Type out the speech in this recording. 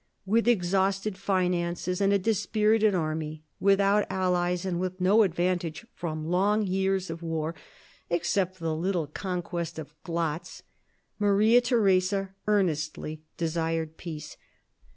With exhausted finances and a dispirited army, with out allies, and with no advantage from long years of war except the little conquest of Glatz, Maria Theresa earnestly desired peace.